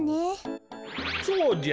そうじゃ！